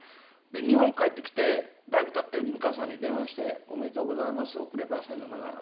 日本帰ってきてだいぶ経って美川さんに電話して「おめでとうございます遅ればせながら」